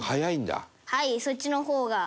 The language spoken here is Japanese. はいそっちの方が。